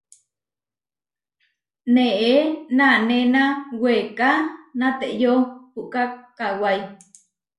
Neé nanéna weká nateyó puʼká kawái.